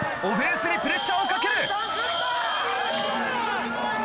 オフェンスにプレッシャーをかける！